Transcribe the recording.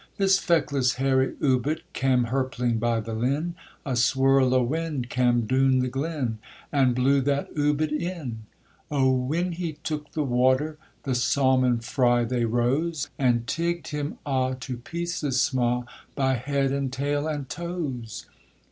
This feckless hairy oubit cam' hirpling by the linn, A swirl o' wind cam' doun the glen, and blew that oubit in: Oh when he took the water, the saumon fry they rose, And tigg'd him a' to pieces sma', by head and tail and toes.